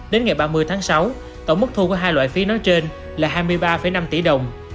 đến ngày ba mươi tháng sáu tổng mức thu của hai loại phí nói trên là hai mươi ba năm tỷ đồng